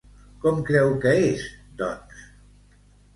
Com creu que és, doncs?